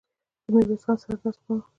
د ميرويس خان سر درد کاوه.